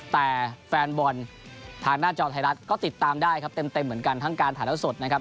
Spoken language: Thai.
แต่แฟนบอลทางหน้าจอไทยรัฐก็ติดตามได้ครับเต็มเหมือนกันทั้งการถ่ายแล้วสดนะครับ